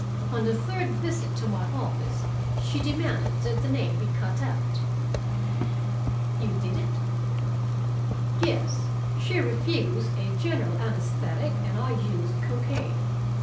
On the third visit to my office she demanded that the name be cut out." "You did it?" "Yes. She refused a general anesthetic and I used cocaine.